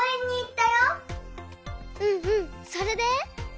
うんうんそれで？